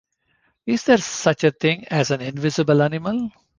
Is there such a thing as an invisible animal?